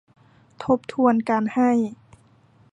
ทบทวนการให้